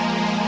mak gak listen